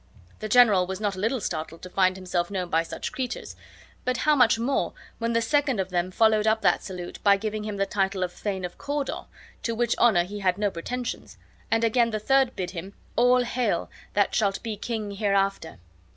The general was not a little startled to find himself known by such creatures; but how much more, when the second of them followed up that salute by giving him the title of Thane of Cawdor, to which honor he had no pretensions; and again the third bid him, "All hail! that shalt be king hereafter!"